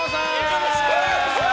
よろしくお願いします。